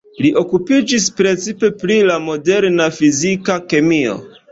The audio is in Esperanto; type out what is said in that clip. Li okupiĝis precipe pri la moderna fizika kemio.